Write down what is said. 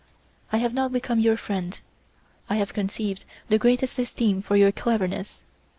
I have now become your friend; I have conceived the greatest esteem for your cleverness.